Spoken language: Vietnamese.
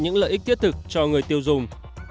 những lợi ích thiết thực cho người tiêu dùng